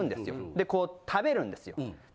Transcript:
でこう食べるんですよ。